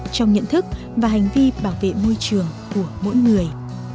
trong nhận thức và hành vi bảo vệ môi trường của mỗi người